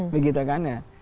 begitu kan ya